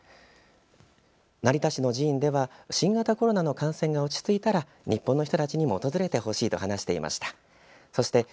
成田市の寺院では新型コロナの感染が落ち着いたら日本の人にも訪れてほしいと話していました。